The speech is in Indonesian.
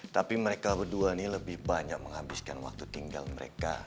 tapi mereka berdua ini lebih banyak menghabiskan waktu tinggal mereka